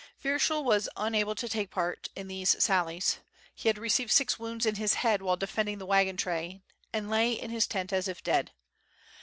Viyershul was unable to take part in these sallies. He had received six wounds on his head while defending the wagon train and lay in his tent as if dead.